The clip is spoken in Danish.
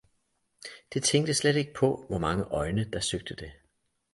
Det tænkte slet ikke på, hvor mange øjne, der søgte det